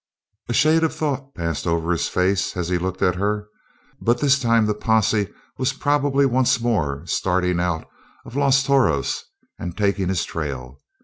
A shade of thought passed over his face as he looked at her. But this time the posse was probably once more starting on out of Los Toros and taking his trail.